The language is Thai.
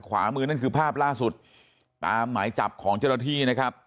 ขวามือนั่นคือภาพล่าสุดตามหมายจับของเจ้าหน้าที่นะครับ